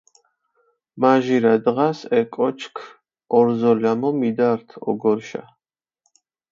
მაჟირა დღას ე კოჩქჷ ორზოლამო მიდართჷ ოგორჷშა.